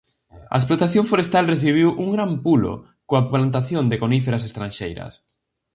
A explotación forestal recibiu un gran pulo coa plantación de coníferas estranxeiras.